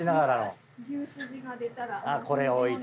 これ置いて。